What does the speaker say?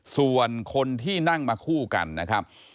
ส่วนคนที่นั่งมาคู่กันนะครับ